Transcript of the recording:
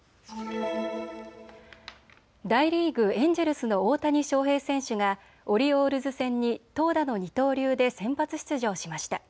大リーグ、エンジェルスの大谷翔平選手がオリオールズ戦に投打の二刀流で先発出場しました。